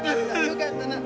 よかったな。